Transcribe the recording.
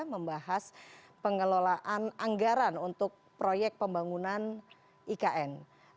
membahas pengelolaan anggaran untuk proyek pembangunan ikn